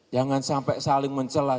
jangan sampai saling mencelah